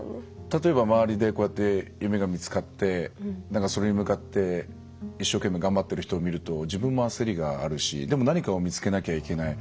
例えば周りでこうやって夢が見つかってそれに向かって一生懸命頑張ってる人を見ると自分も焦りがあるしでも何かを見つけなきゃいけない。